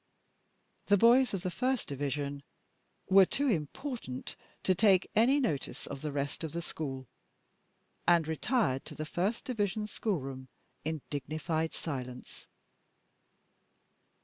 The boys of the first division were too important to take any notice of the rest of the school, and retired to the first division school room in dignified silence.